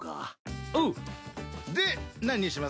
で何にします？